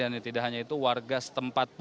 ini tidak hanya itu warga setempat